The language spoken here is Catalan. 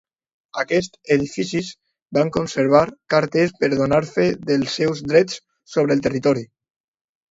Aquests edificis van conservar cartes per donar fe dels seus drets sobre el territori.